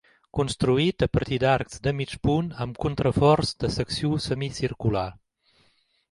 Construït a partir d'arcs de mig punt amb contraforts de secció semicircular.